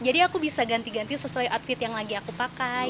jadi aku bisa ganti ganti sesuai outfit yang lagi aku pakai